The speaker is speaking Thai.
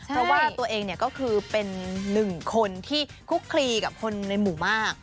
เพราะว่าตัวเองก็คือเป็นหนึ่งคนที่คุกคลีกับคนในหมู่มาก